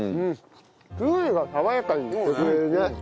きゅうりが爽やかにしてくれるね。